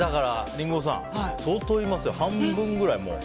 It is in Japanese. リンゴさん相当いますよ、半分くらい。